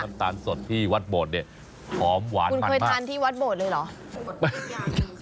ตาลสดที่วัดโบดเนี่ยหอมหวานคุณเคยทานที่วัดโบดเลยเหรอ